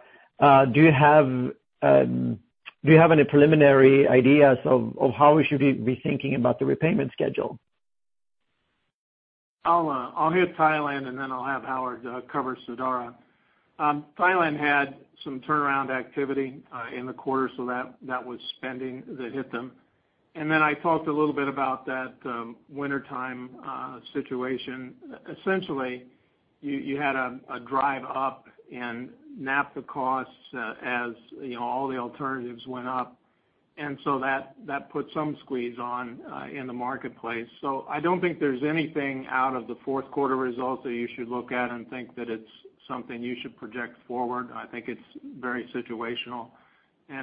S11: do you have any preliminary ideas of how we should be thinking about the repayment schedule?
S2: I'll hit Thailand, then I'll have Howard cover Sadara. Thailand had some turnaround activity in the quarter, so that was spending that hit them. Then I talked a little bit about that wintertime situation. Essentially, you had a drive up in naphtha costs as all the alternatives went up, and so that put some squeeze on in the marketplace. I don't think there's anything out of the fourth quarter results that you should look at and think that it's something you should project forward. I think it's very situational.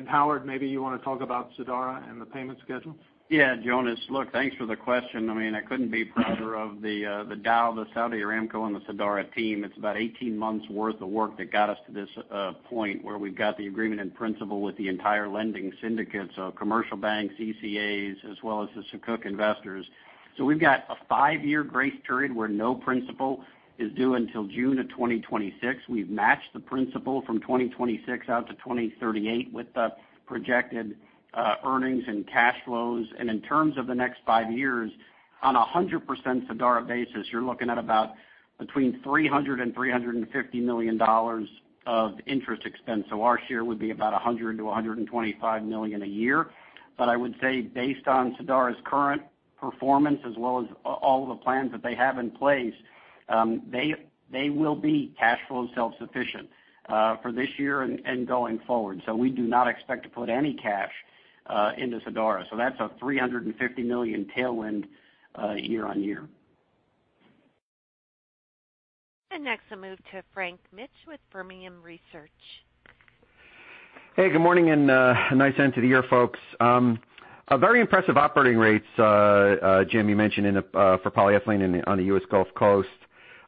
S2: Howard, maybe you want to talk about Sadara and the payment schedule?
S3: Yeah, Jonas. Look, thanks for the question. I couldn't be prouder of the Dow, the Saudi Aramco, and the Sadara team. It's about 18 months worth of work that got us to this point where we've got the agreement in principle with the entire lending syndicate, so commercial banks, ECAs, as well as the Sukuk investors. We've got a five-year grace period where no principal is due until June of 2026. We've matched the principal from 2026 out to 2038 with the projected earnings and cash flows. In terms of the next five years, on 100% Sadara basis, you're looking at about between $300 and $350 million of interest expense. Our share would be about $100 million-$125 million a year. I would say based on Sadara's current performance, as well as all of the plans that they have in place, they will be cash flow self-sufficient for this year and going forward. We do not expect to put any cash into Sadara. That's a $350 million tailwind year-on-year.
S4: Next, I'll move to Frank Mitsch with Fermium Research.
S12: Good morning, a nice end to the year, folks. Very impressive operating rates, Jim, you mentioned for polyethylene on the U.S. Gulf Coast.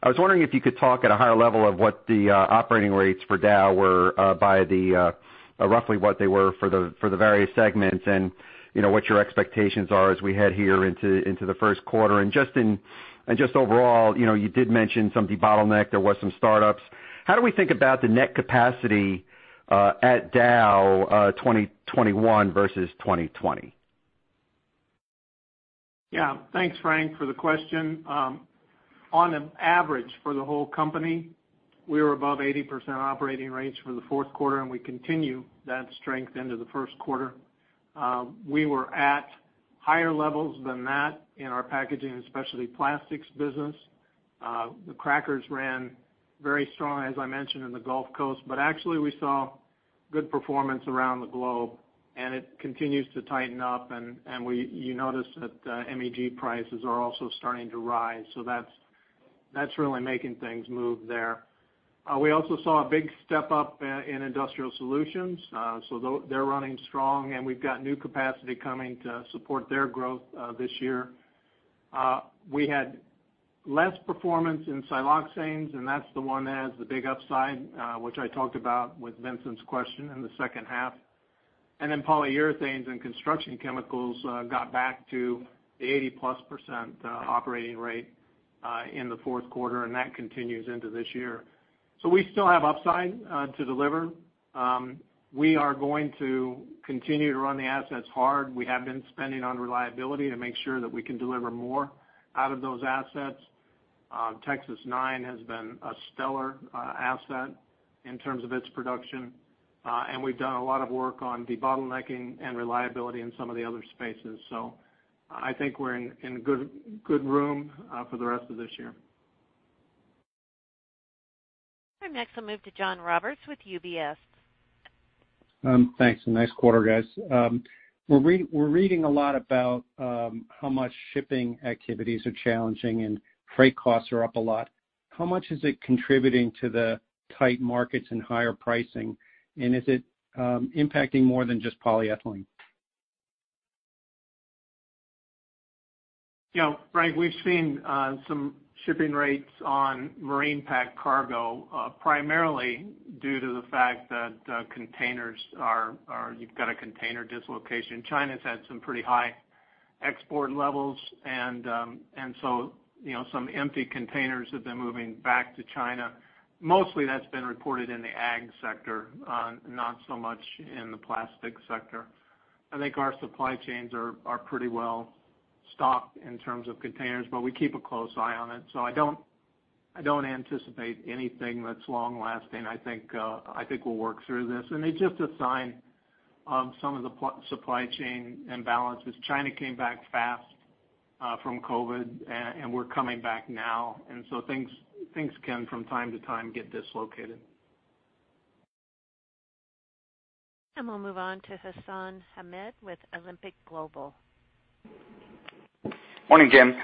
S12: I was wondering if you could talk at a higher level of what the operating rates for Dow were by roughly what they were for the various segments and what your expectations are as we head here into the first quarter. Just overall, you did mention some debottleneck. There were some startups. How do we think about the net capacity at Dow 2021 versus 2020?
S2: Thanks, Frank, for the question. On an average for the whole company, we were above 80% operating rates for the fourth quarter. We continue that strength into the first quarter. We were at higher levels than that in our packaging, especially plastics business. The crackers ran very strong, as I mentioned, in the Gulf Coast. Actually, we saw good performance around the globe. It continues to tighten up. You notice that MEG prices are also starting to rise. That's really making things move there. We also saw a big step up in industrial solutions. They're running strong. We've got new capacity coming to support their growth this year. We had less performance in siloxanes. That's the one that has the big upside which I talked about with Vincent's question in the second half. Polyurethanes and construction chemicals got back to the 80%-plus operating rate in the fourth quarter, and that continues into this year. We still have upside to deliver. We are going to continue to run the assets hard. We have been spending on reliability to make sure that we can deliver more out of those assets. TX-9 has been a stellar asset in terms of its production. We've done a lot of work on debottlenecking and reliability in some of the other spaces. I think we're in good room for the rest of this year.
S4: Next, I'll move to John Roberts with UBS.
S13: Thanks. Nice quarter, guys. We're reading a lot about how much shipping activities are challenging and freight costs are up a lot. How much is it contributing to the tight markets and higher pricing? Is it impacting more than just polyethylene?
S2: John, we've seen some shipping rates on marine packed cargo primarily due to the fact that you've got a container dislocation. China's had some pretty high export levels, some empty containers have been moving back to China. Mostly, that's been reported in the ag sector, not so much in the plastic sector. I think our supply chains are pretty well stocked in terms of containers, but we keep a close eye on it. I don't anticipate anything that's long-lasting. I think we'll work through this. It's just a sign of some of the supply chain imbalances. China came back fast from COVID, and we're coming back now, things can, from time to time, get dislocated.
S4: We'll move on to Hassan Ahmed with Alembic Global.
S14: Morning, Jim.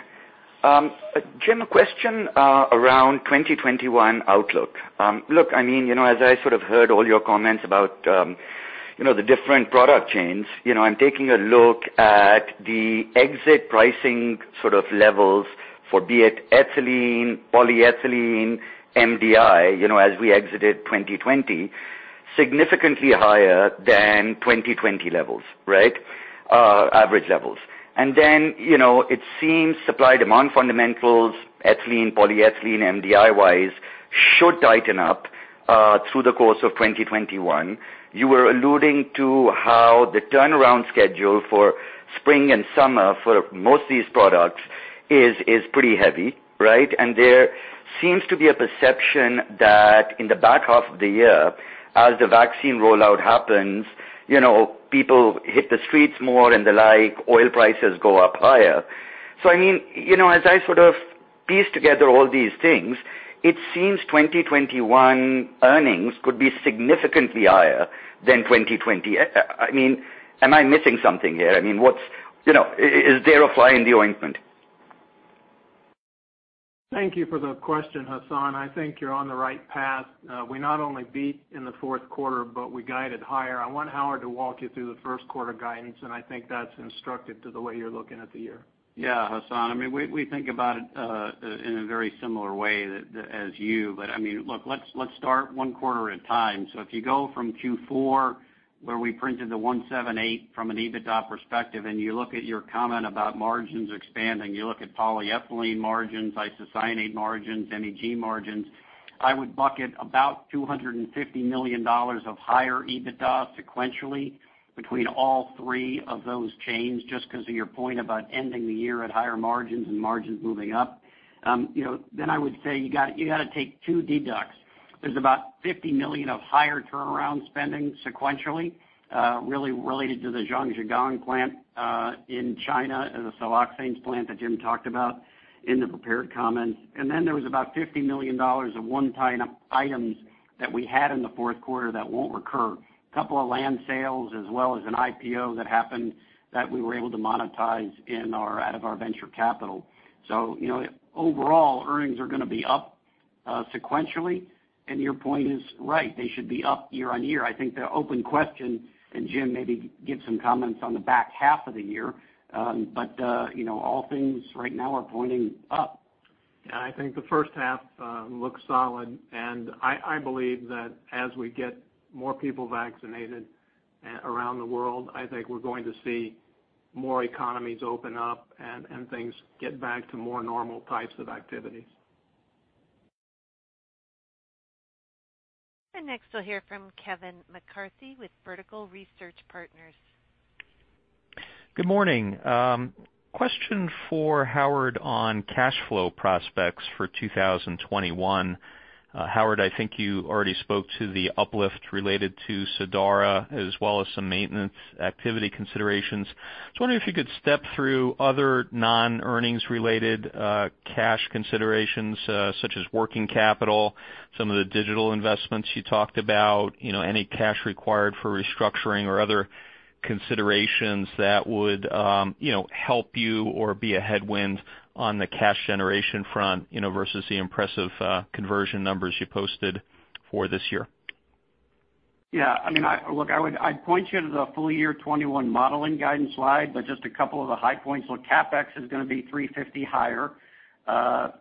S14: Jim, a question around 2021 outlook. Look, as I sort of heard all your comments about the different product chains, I'm taking a look at the exit pricing sort of levels for be it ethylene, polyethylene, MDI as we exited 2020, significantly higher than 2020 average levels. It seems supply-demand fundamentals, ethylene, polyethylene, MDI-wise, should tighten up through the course of 2021. You were alluding to how the turnaround schedule for spring and summer for most of these products is pretty heavy, right? There seems to be a perception that in the back half of the year, as the vaccine rollout happens, people hit the streets more and the like, oil prices go up higher. I mean, as I sort of piece together all these things, it seems 2021 earnings could be significantly higher than 2020. Am I missing something here? Is there a fly in the ointment?
S2: Thank you for the question, Hassan. I think you're on the right path. We not only beat in the fourth quarter, but we guided higher. I want Howard to walk you through the first quarter guidance. I think that's instructive to the way you're looking at the year.
S3: Hassan. We think about it in a very similar way as you. Let's start one quarter at a time. From Q4, where we printed the 178 from an EBITDA perspective, and you look at your comment about margins expanding, you look at polyethylene margins, isocyanate margins, MEG margins, I would bucket about $250 million of higher EBITDA sequentially between all three of those chains, just because of your point about ending the year at higher margins and margins moving up. You got to take two deducts. There's about $50 million of higher turnaround spending sequentially, really related to the Zhangjiagang plant in China and the siloxanes plant that Jim talked about in the prepared comments. About $50 million of one-time items that we had in the fourth quarter that won't recur. A couple of land sales, as well as an IPO that happened that we were able to monetize out of our venture capital. Overall, earnings are going to be up sequentially, and your point is right, they should be up year-on-year. I think the open question, and Jim maybe give some comments on the back half of the year, but all things right now are pointing up.
S2: Yeah, I think the first half looks solid, and I believe that as we get more people vaccinated around the world, I think we're going to see more economies open up and things get back to more normal types of activities.
S4: Next, we'll hear from Kevin McCarthy with Vertical Research Partners.
S15: Good morning. Question for Howard on cash flow prospects for 2021. Howard, I think you already spoke to the uplift related to Sadara as well as some maintenance activity considerations. I was wondering if you could step through other non-earnings related cash considerations, such as working capital, some of the digital investments you talked about, any cash required for restructuring or other considerations that would help you or be a headwind on the cash generation front, versus the impressive conversion numbers you posted for this year.
S3: Yeah. Look, I'd point you to the full year 2021 modeling guidance slide, but just a couple of the high points. CapEx is going to be $350 million higher.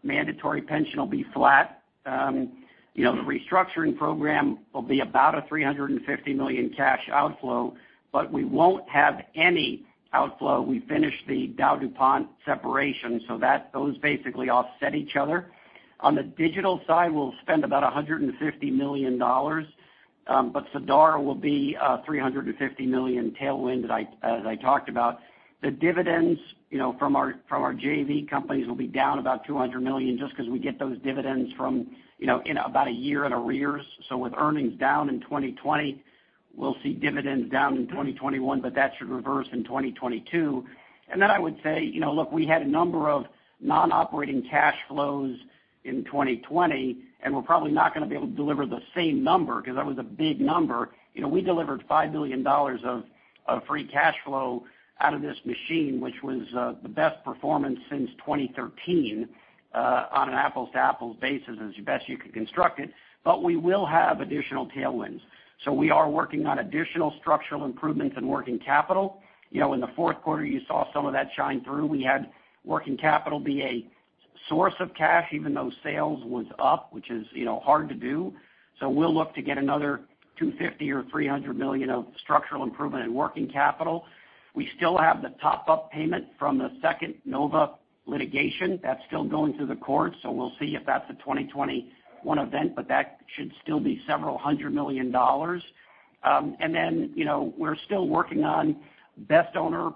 S3: Mandatory pension will be flat. The restructuring program will be about a $350 million cash outflow, but we won't have any outflow. We finished the DowDuPont separation, so those basically offset each other. On the digital side, we'll spend about $150 million, but Sadara will be a $350 million tailwind, as I talked about. The dividends from our JV companies will be down about $200 million just because we get those dividends from in about a year in arrears. With earnings down in 2020, we'll see dividends down in 2021, but that should reverse in 2022. Look, we had a number of non-operating cash flows in 2020. We're probably not going to be able to deliver the same number, because that was a big number. We delivered $5 billion of free cash flow out of this machine, which was the best performance since 2013, on an apples-to-apples basis, as best you could construct it. We will have additional tailwinds. We are working on additional structural improvements in working capital. In the fourth quarter, you saw some of that shine through. We had working capital be a source of cash, even though sales was up, which is hard to do. We'll look to get another $250 million or $300 million of structural improvement in working capital. We still have the top-up payment from the second NOVA litigation. That's still going through the court, so we'll see if that's a 2021 event, but that should still be several hundred million dollars. We're still working on best-owner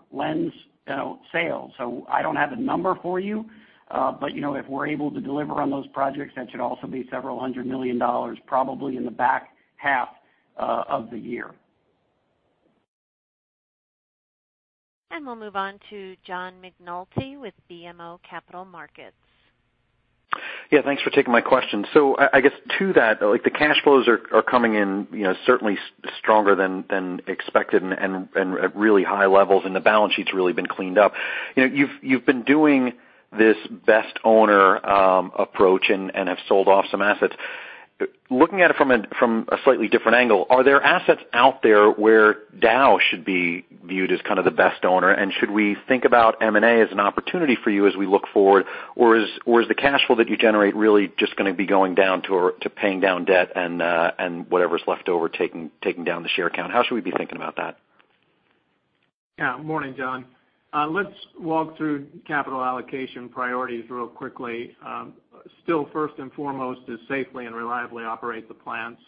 S3: sales. I don't have a number for you, but if we're able to deliver on those projects, that should also be several hundred million dollars, probably in the back half of the year.
S4: We'll move on to John McNulty with BMO Capital Markets.
S16: Yeah, thanks for taking my question. I guess to that, the cash flows are coming in certainly stronger than expected and at really high levels, and the balance sheet's really been cleaned up. You've been doing this best-owner approach and have sold off some assets. Looking at it from a slightly different angle, are there assets out there where Dow should be viewed as kind of the best-owner? Should we think about M&A as an opportunity for you as we look forward? Is the cash flow that you generate really just going to be going down to paying down debt and whatever's left over taking down the share count? How should we be thinking about that?
S2: Morning, John. Let's walk through capital allocation priorities real quickly. Still first and foremost is safely and reliably operate the plants.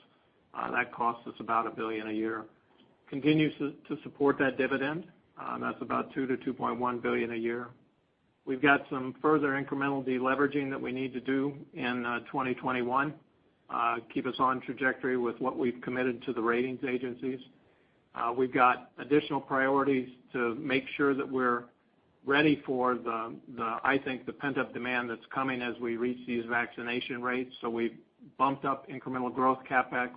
S2: That costs us about $1 billion a year. Continue to support that dividend. That's about $2 billion-$2.1 billion a year. We've got some further incremental de-leveraging that we need to do in 2021, keep us on trajectory with what we've committed to the ratings agencies. We've got additional priorities to make sure that we're ready for the, I think, the pent-up demand that's coming as we reach these vaccination rates. We've bumped up incremental growth CapEx.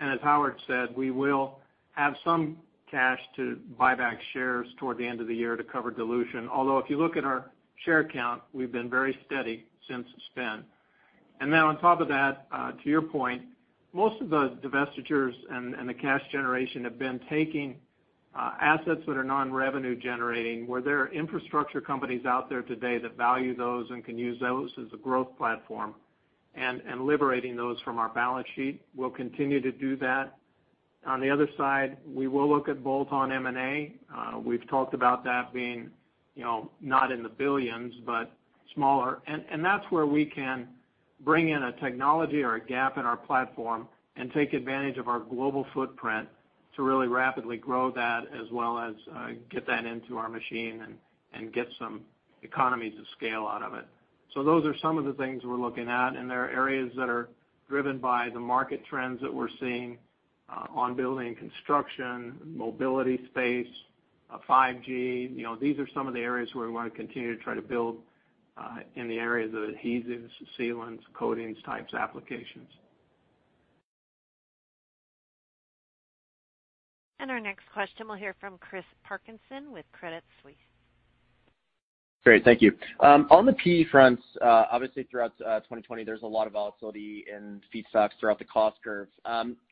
S2: As Howard said, we will have some cash to buy back shares toward the end of the year to cover dilution. If you look at our share count, we've been very steady since spin. On top of that, to your point, most of the divestitures and the cash generation have been taking assets that are non-revenue generating, where there are infrastructure companies out there today that value those and can use those as a growth platform, and liberating those from our balance sheet. We'll continue to do that. On the other side, we will look at bolt-on M&A. We've talked about that being not in the billions, but smaller. That's where we can bring in a technology or a gap in our platform and take advantage of our global footprint to really rapidly grow that as well as get that into our machine and get some economies of scale out of it. Those are some of the things we're looking at, and there are areas that are driven by the market trends that we're seeing on building construction, mobility space, 5G. These are some of the areas where we want to continue to try to build in the areas of adhesives, sealants, coatings types applications.
S4: Our next question, we'll hear from Chris Parkinson with Credit Suisse.
S17: Great. Thank you. On the PE fronts, obviously throughout 2020, there's a lot of volatility in feedstocks throughout the cost curves.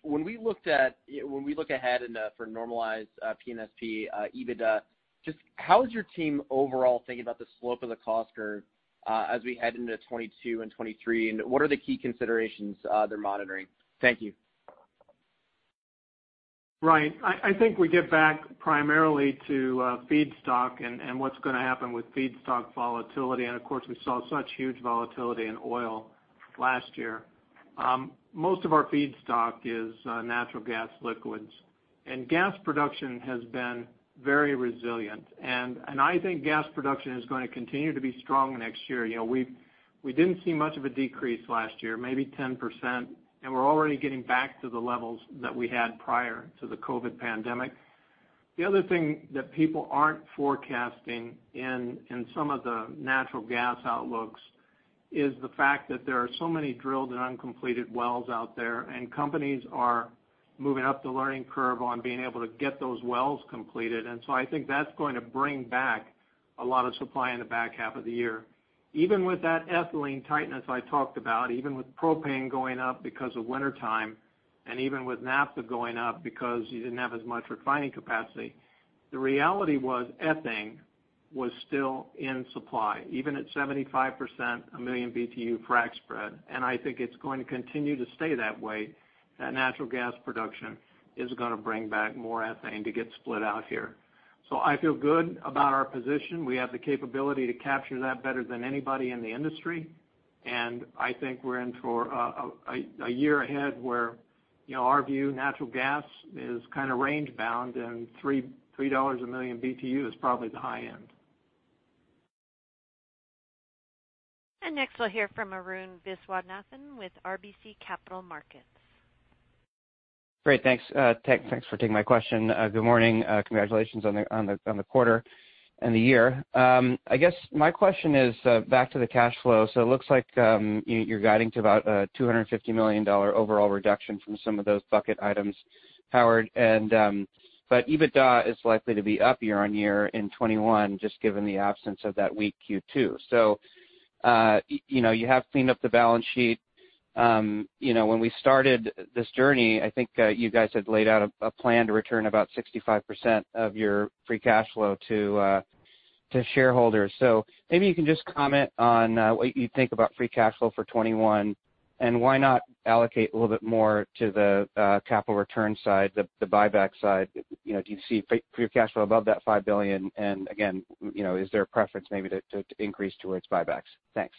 S17: When we look ahead and for normalized P&SP EBITDA, just how is your team overall thinking about the slope of the cost curve as we head into 2022 and 2023, and what are the key considerations they're monitoring? Thank you.
S2: Right. I think we get back primarily to feedstock and what's going to happen with feedstock volatility, and of course, we saw such huge volatility in oil last year. Most of our feedstock is natural gas liquids. Gas production has been very resilient. I think gas production is going to continue to be strong next year. We didn't see much of a decrease last year, maybe 10%, and we're already getting back to the levels that we had prior to the COVID pandemic. The other thing that people aren't forecasting in some of the natural gas outlooks is the fact that there are so many drilled and uncompleted wells out there, and companies are moving up the learning curve on being able to get those wells completed. I think that's going to bring back a lot of supply in the back half of the year. Even with that ethylene tightness I talked about, even with propane going up because of wintertime, and even with naphtha going up because you didn't have as much refining capacity, the reality was ethane was still in supply, even at 75% a million BTU frac spread, and I think it's going to continue to stay that way, that natural gas production is going to bring back more ethane to get split out here. I feel good about our position. We have the capability to capture that better than anybody in the industry. I think we're in for a year ahead where our view, natural gas is kind of range bound and $3 a million BTU is probably the high end.
S4: Next, we'll hear from Arun Viswanathan with RBC Capital Markets.
S18: Great. Thanks. Arun, thanks for taking my question. Good morning. Congratulations on the quarter and the year. I guess my question is back to the cash flow. It looks like you're guiding to about a $250 million overall reduction from some of those bucket items, Howard. EBITDA is likely to be up year-on-year in 2021, just given the absence of that weak Q2. You have cleaned up the balance sheet. When we started this journey, I think you guys had laid out a plan to return about 65% of your free cash flow to shareholders. Maybe you can just comment on what you think about free cash flow for 2021, and why not allocate a little bit more to the capital return side, the buyback side. Do you see free cash flow above that $5 billion, and again, is there a preference maybe to increase towards buybacks? Thanks.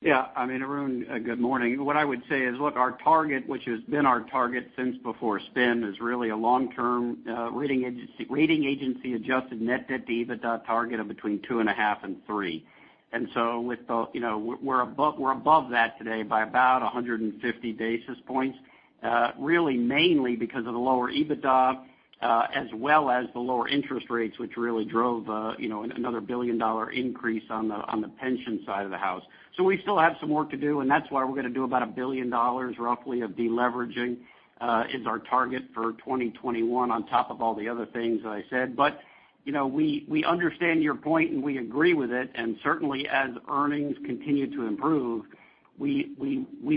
S3: Yeah. I mean, Arun, good morning. What I would say is, look, our target, which has been our target since before spin, is really a long-term rating agency adjusted net debt to EBITDA target of between two and a half and three. We're above that today by about 150 basis points. Really mainly because of the lower EBITDA, as well as the lower interest rates, which really drove another billion-dollar increase on the pension side of the house. We still have some work to do, and that's why we're going to do about $1 billion roughly of deleveraging is our target for 2021 on top of all the other things that I said. We understand your point and we agree with it, and certainly as earnings continue to improve, we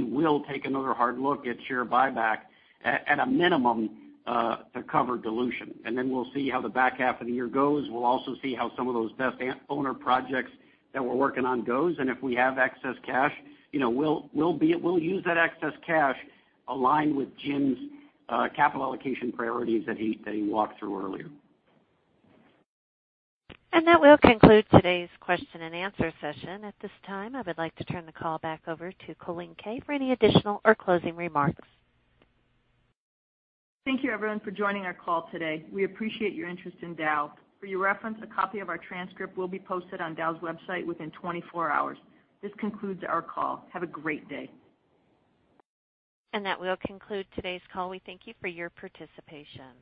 S3: will take another hard look at share buyback at a minimum to cover dilution. We'll see how the back half of the year goes. We'll also see how some of those best-owner projects that we're working on goes, and if we have excess cash, we'll use that excess cash aligned with Jim's capital allocation priorities that he walked through earlier.
S4: That will conclude today's question and answer session. At this time, I would like to turn the call back over to Colleen Kay for any additional or closing remarks.
S1: Thank you, everyone, for joining our call today. We appreciate your interest in Dow. For your reference, a copy of our transcript will be posted on Dow's website within 24 hours. This concludes our call. Have a great day.
S4: That will conclude today's call. We thank you for your participation.